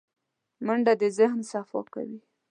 منډه د ذهن صفا کوي